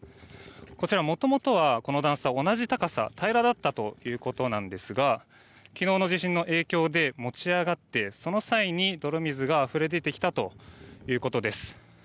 こちら元々はこの段差同じ高さ平らだったということなんですが昨日の地震の影響で持ち上がってその際に泥水があふれ出てきたということです。